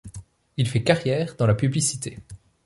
Il fait carrière dans la publicité.